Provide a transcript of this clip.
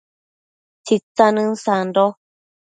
Tsitsanën sando